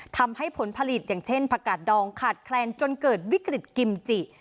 ผลผลิตอย่างเช่นผักกาดดองขาดแคลนจนเกิดวิกฤตกิมจิ